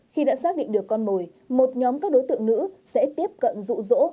khi đã xác định được con mồi một nhóm các đối tượng nữ sẽ tiếp cận rụ rỗ